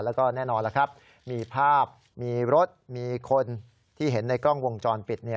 แล้วก็แน่นอนล่ะครับมีภาพมีรถมีคนที่เห็นในกล้องวงจรปิด